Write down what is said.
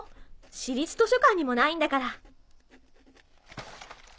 市立図書館にもないんだから。